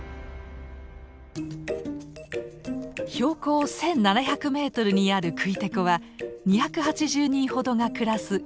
標高１，７００メートルにあるクイテコは２８０人ほどが暮らす